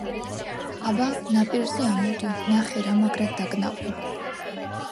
აბა, ნაპირზე ამოდი, ნახე, რა მაგრად დაგნაყო!